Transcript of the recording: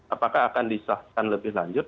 apakah akan disahkan lebih lanjut